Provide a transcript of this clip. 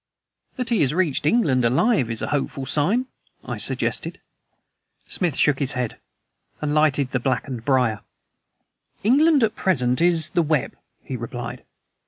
"That he has reached England alive is a hopeful sign?" I suggested. Smith shook his head, and lighted the blackened briar. "England at present is the web," he replied.